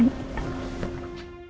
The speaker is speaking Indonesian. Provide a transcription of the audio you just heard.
aku sudah berhasil menerima cinta